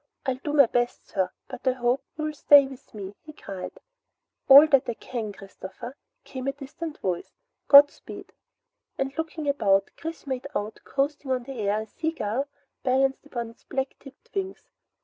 "I'll do my best, sir, but I hope you'll stay with me!" he cried. "All that I can, Christopher," came the distant voice. "Godspeed!" And looking about, Chris made out, coasting on the air, a sea gull, balancing upon its black tipped wings.